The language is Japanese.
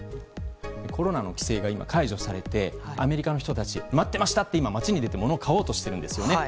コロナの規制が解除されてアメリカの人たち待っていましたと今、街に出て物を買おうとしているんですね。